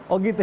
oh gitu ya